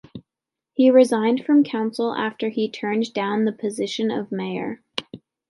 He resigned from council after he turned down the position of mayor.